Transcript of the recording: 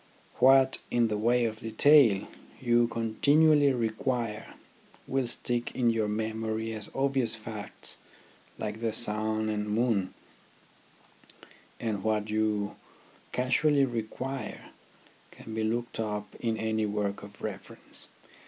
What, in the way of detail, you continually require will stick in your memory as obvious facts like the sun and moon ; and what you casually require can be looked up in any work of reference.